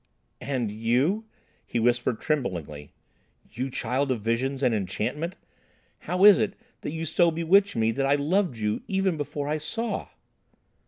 "And you," he whispered tremblingly—"you child of visions and enchantment, how is it that you so bewitch me that I loved you even before I saw?"